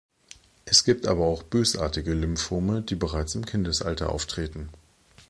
Es gibt aber auch bösartige Lymphome, die bereits im Kindesalter auftreten.